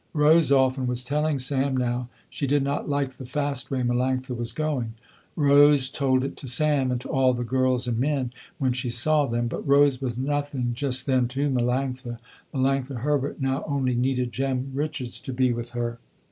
Rose often was telling Sam now, she did not like the fast way Melanctha was going. Rose told it to Sam, and to all the girls and men, when she saw them. But Rose was nothing just then to Melanctha. Melanctha Herbert now only needed Jem Richards to be with her.